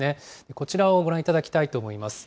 こちらをご覧いただきたいと思います。